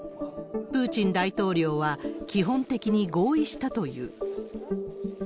プーチン大統領は、基本的に合意したという。